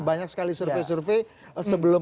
banyak sekali survei survei sebelum